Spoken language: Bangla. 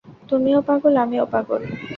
তুমিও পাগল, আমিও পাগল।